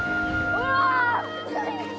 うわ！